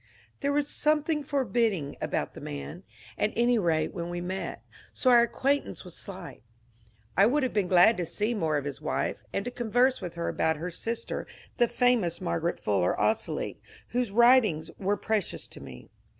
There 366 MONCURE DANIEL CONWAT was something forbidding about the man, — at any rate when we met, — so our acquaintance was slight I would have been glad to see more of his wife, and to converse with her about her sister, the famous Margaret Fuller Ossoli, whose writ ings were precious to me.